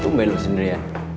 tumbe lu sendiri ya